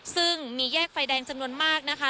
ซึ่งมีแยกไฟแดงจำนวนมากนะคะ